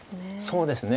そうですね